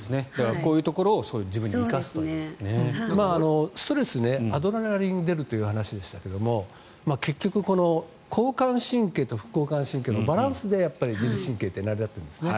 こういうところをストレスアドレナリンが出るという話でしたけど結局、交感神経と副交感神経のバランスで自律神経って成り立っているんですね。